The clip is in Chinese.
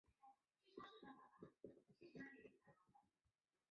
颗粒牛蛭为医蛭科牛蛭属的动物。